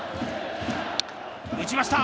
打ちました！